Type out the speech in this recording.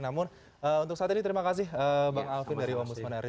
namun untuk saat ini terima kasih bang alvin dari ombudsman ari